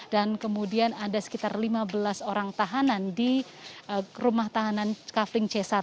dan kemudian ada sekitar lima belas orang tahanan di rumah tahanan kavling c satu